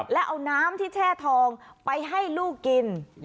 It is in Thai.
แล้วเอาน้ำที่แช่ทองไปให้ลูกกิน